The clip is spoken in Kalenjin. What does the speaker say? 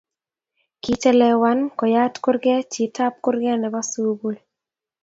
Kichelewan koyat kurke chitap kuke ne bo sukul.